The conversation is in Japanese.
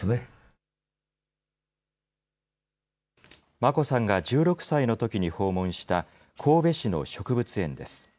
眞子さんが１６歳のときに訪問した神戸市の植物園です。